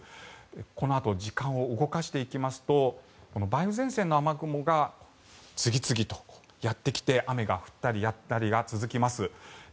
このあと時間を動かしていきますと梅雨前線の雨雲が次々とやってきて雨が降ったりやんだりが続きます。